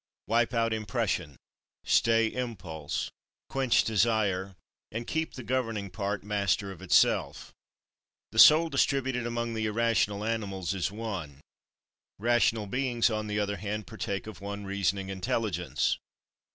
7. Wipe out impression; stay impulse; quench desire; and keep the governing part master of itself. 8. The soul distributed among the irrational animals is one. Rational beings, on the other hand, partake of one reasoning intelligence.